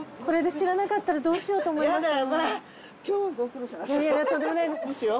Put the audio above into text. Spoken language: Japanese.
これで知らなかったらどうしようと思いました。